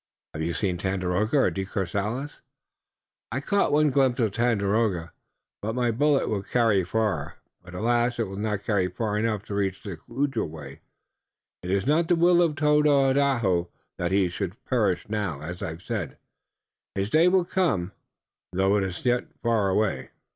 "Have you seen Tandakora or De Courcelles?" "I caught one glimpse of Tandakora. My bullet will carry far, but alas! it will not carry far enough to reach the Ojibway. It is not the will of Tododaho that he should perish now. As I have said, his day will come, though it is yet far away."